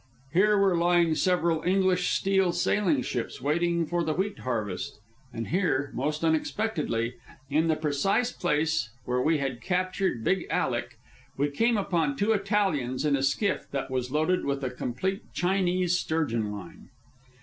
Here were lying several English steel sailing ships, waiting for the wheat harvest; and here, most unexpectedly, in the precise place where we had captured Big Alec, we came upon two Italians in a skiff that was loaded with a complete "Chinese" sturgeon line.